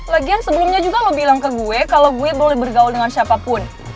lagian sebelumnya juga lo bilang ke gue kalau gue boleh bergaul dengan siapapun